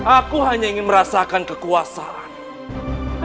aku hanya ingin merasakan kekuasaan